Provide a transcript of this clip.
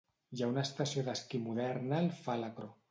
Hi ha una estació d'esquí moderna al Falakro.